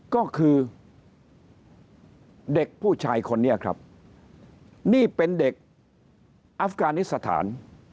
ก็คือเด็กผู้ชายคนนี้ครับนี่เป็นเด็กอัฟกานิสถาน